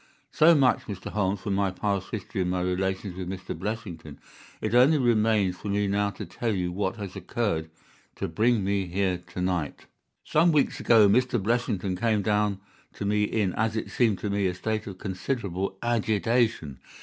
"So much, Mr. Holmes, for my past history and my relations with Mr. Blessington. It only remains for me now to tell you what has occurred to bring me here to night. "Some weeks ago Mr. Blessington came down to me in, as it seemed to me, a state of considerable agitation.